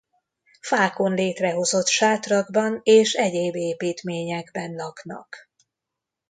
Fákon létrehozott sátrakban és egyéb építményekben laknak.